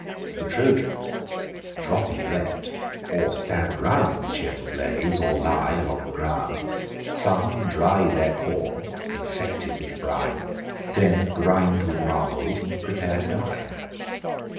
The Trojans, dropping wet, or stand around The cheerful blaze, or lie along the ground: Some dry their corn, infected with the brine, Then grind with marbles, and prepare to dine.